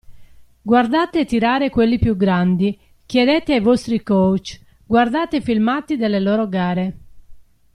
Guardate tirare quelli più grandi, chiedete ai vostri coach, guardate i filmati delle loro gare.